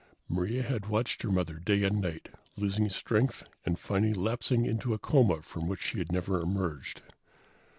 Maria had watched her mother day and night, losing strength and finally lapsing into a coma from which she never emerged.